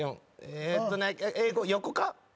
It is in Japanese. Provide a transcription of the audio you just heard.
えっとね英語横か？